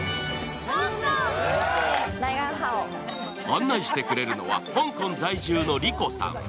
案内してくれるのは香港在住のリコさん。